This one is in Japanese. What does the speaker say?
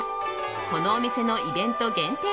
このお店のイベント限定